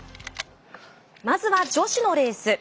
まずは女子のレース